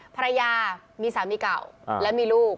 ภรรยามีสามีเก่าและมีลูก